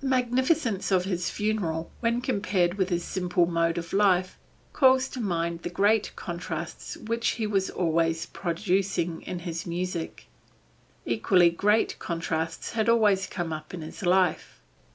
The magnificence of his funeral, when compared with his simple mode of life, calls to mind the great contrasts which he was always producing in his music. Equally great contrasts had always come up in his life.